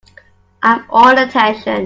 I am all attention.